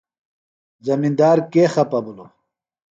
زمندار کےۡ خپہ بِھلوۡ ؟